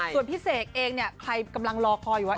ส่วนพี่เสกเองเนี่ยใครกำลังรอคอยอยู่ว่า